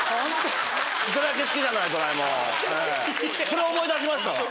それ思い出しましたわ。